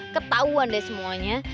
ketahuan deh semuanya